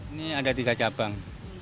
ini ada tiga cabang